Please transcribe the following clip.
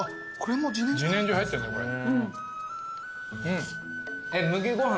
自然薯入ってるねこれ。